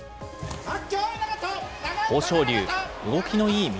豊昇龍、動きのいい翠